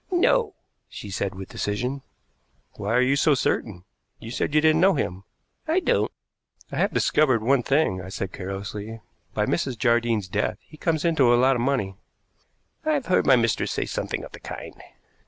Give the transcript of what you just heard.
"No," she said with decision. "Why are you so certain? You said you didn't know him." "I don't." "I have discovered one thing," I said carelessly. "By Mrs. Jardine's death he comes into a lot of money." "I've heard my mistress say something of the kind."